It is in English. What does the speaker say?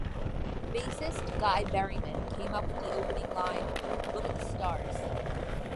Bassist Guy Berryman came up with the opening line "Look at the stars".